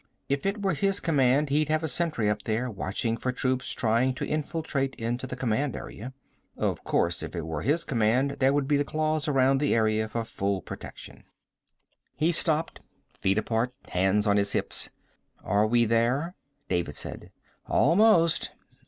If it were his command he'd have a sentry up there, watching for troops trying to infiltrate into the command area. Of course, if it were his command there would be the claws around the area for full protection. He stopped, feet apart, hands on his hips. "Are we there?" David said. "Almost."